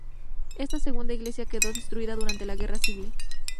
Esta segunda iglesia quedó destruida durante la guerra civil.